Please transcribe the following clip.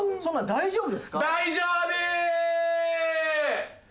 大丈夫。